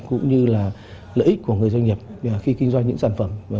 cũng như là lợi ích của người doanh nghiệp khi kinh doanh những sản phẩm